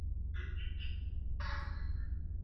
تاسو په مراقبه کولو بوخت یاست.